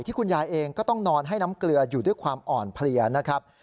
คุณยายเองก็ต้องนอนให้น้ำเกลืออยู่ด้วยความอ่อนเพลียนะครับ